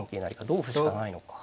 同歩しかないのか。